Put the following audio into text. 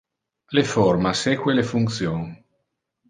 Le forma seque le function.